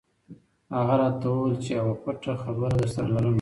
هغه راته وویل چې یوه پټه خبره درسره لرم.